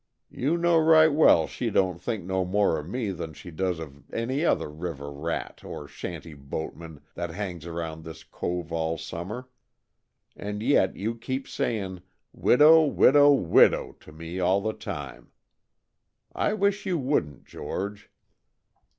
You know right well she don't think no more of me than she does of any other river rat or shanty boatman that hangs around this cove all summer, and yet you keep saying, 'Widow, widow, widow!' to me all the time. I wish you wouldn't, George."